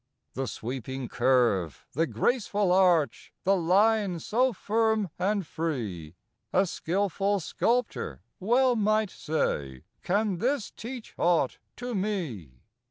The sweeping curve, the graceful arch, The line so firm and free; A skilful sculptor well might say: "Can this teach aught to me?"